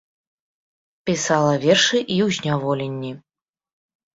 Пісала вершы і ў зняволенні.